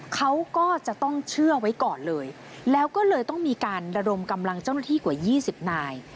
เขาก็จะต้องเชื่อไว้ก่อนเลยแล้วก็เลยต้องมีการระดมกำลังเจ้าหน้าที่กว่า๒๐นาย